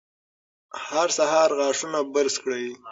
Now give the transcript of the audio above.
هر سهار غاښونه برس کړئ.